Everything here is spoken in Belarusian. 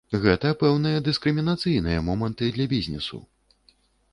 Гэта пэўныя дыскрымінацыйныя моманты для бізнесу.